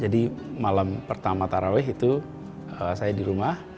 jadi malam pertama taraweh itu saya di rumah